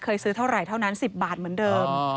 ซื้อเท่าไหร่เท่านั้น๑๐บาทเหมือนเดิม